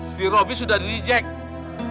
si robby sudah di reject